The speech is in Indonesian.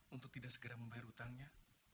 untuk tidak segera membayar utangnya